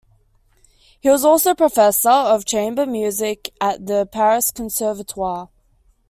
He was also professor of Chamber Music at the Paris Conservatoire.